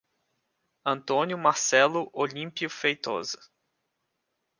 Antônio Marcelo Olimpio Feitosa